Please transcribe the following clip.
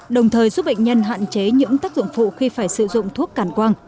đồng thời giúp bệnh nhân hạn chế những tác dụng phụ khi phải sử dụng thuốc cản quang